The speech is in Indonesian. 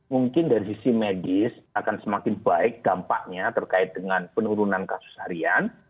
mungkin dari sisi medis akan semakin baik dampaknya terkait dengan penurunan kasus harian